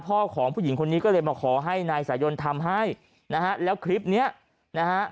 ของผู้หญิงคนนี้ก็เลยมาขอให้นายสายนทำให้นะฮะแล้วคลิปเนี้ยนะฮะ